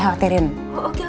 oke mbak artinya gitu ya